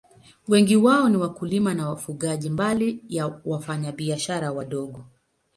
Wengi wao ni wakulima na wafugaji, mbali ya wafanyabiashara wadogo.